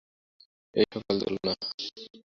এবং সকল দোলনা।